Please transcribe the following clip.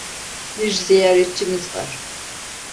Bir ziyaretçimiz var.